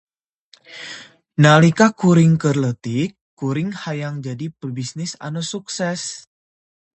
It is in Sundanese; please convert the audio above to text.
Nalika kuring keur leutik, kuring hayang jadi pebisnis anu sukses.